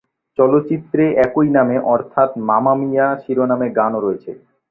চলচ্চিত্রে একই নামে অর্থাৎ মামা মিয়া শিরোনামে গানও রয়েছে।